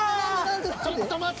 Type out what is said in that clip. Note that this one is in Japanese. ちょっと待って。